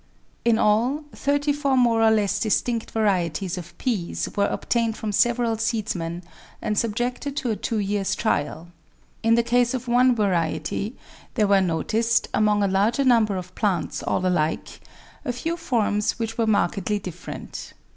In all, thirty four more or less distinct varieties of Peas were obtained from several seedsmen and subjected to a two years' trial. In the case of one variety there were noticed, among a larger num ber of plants all alike, a few forms which were markedly different.